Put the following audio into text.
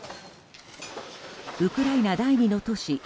ウクライナ第２の都市